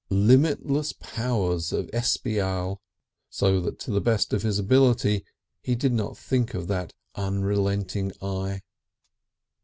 limitless powers of espial. (So to the best of his ability he did not think of that unrelenting eye.)